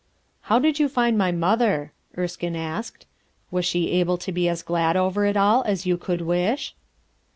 ''How did you find my mother?" Erskine asked. "Was she able to be as glad over it all as you could wish?"